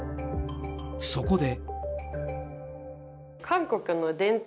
そこで。